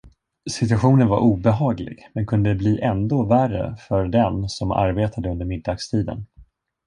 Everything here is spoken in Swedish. Situationen var obehaglig, men kunde bli ändå värre för den, som arbetade under middagstiden.